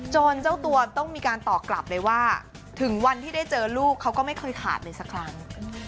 เจ้าตัวต้องมีการตอบกลับเลยว่าถึงวันที่ได้เจอลูกเขาก็ไม่เคยขาดเลยสักครั้ง